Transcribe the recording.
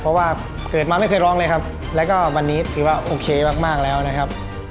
เพราะว่าเกิดมาไม่เคยร้องเลยครับแล้วก็วันนี้ถือว่าโอเคมากแล้วนะครับ